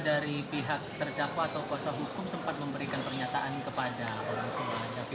dari pihak terdakwa atau kuasa hukum sempat memberikan pernyataan kepada orang tua